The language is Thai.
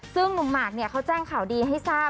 ซึ่งหนุ่มหมากเนี่ยเขาแจ้งข่าวดีให้ทราบ